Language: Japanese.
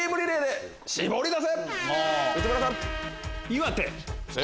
岩手。